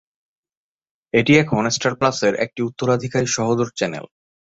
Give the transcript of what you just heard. এটি এখন Star Plus এর একটি উত্তরাধিকারী সহোদর চ্যানেল।